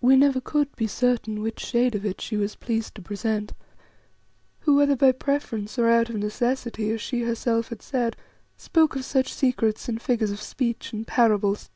We never could be certain which shade of it she was pleased to present, who, whether by preference or of necessity, as she herself had said, spoke of such secrets in figures of speech and parables.